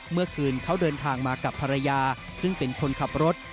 เมื่อคืนเขาเดินทางมากับภรรยาซึ่งเป็นคนขับรถ